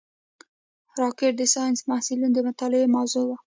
راکټ د ساینسي محصلینو د مطالعې موضوع ده